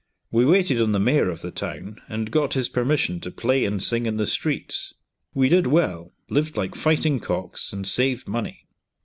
We waited on the mayor of the town, and got his permission to play and sing in the streets. We did well, lived like fighting cocks, and saved money.